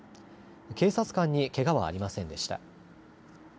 警察官にけがはありませんでした。